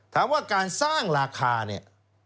ถามว่าการสร้างราคาเนี่ย